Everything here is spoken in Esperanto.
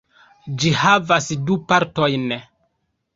Ĝi havas du partojn.